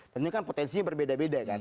tentunya kan potensinya berbeda beda kan